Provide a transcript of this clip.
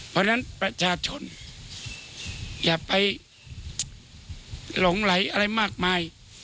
เพราะฉะนั้นประชาชนอย่าไปหลงไหลอะไรมากมาย